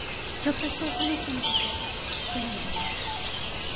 ひょっとしてこの人の事知ってるんじゃない？